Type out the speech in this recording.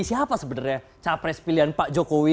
siapa sebenarnya capres pilihan pak jokowi